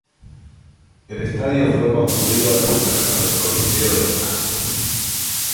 El estadio fue construido en los terrenos del Coliseo de Los Ángeles.